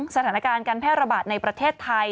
สถานการณ์การแพร่ระบาดในประเทศไทย